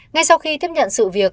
ngay sau khi chấp nhận sự việc